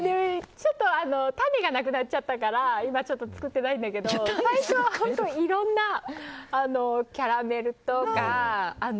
種がなくなっちゃったから今、作ってないんだけど最初は本当いろんなキャラメルとか。